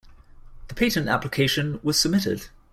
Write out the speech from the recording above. The patent application was submitted.